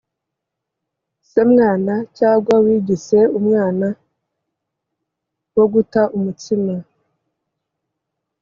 se mwana cyagwa wigise umwana wo guta umutsima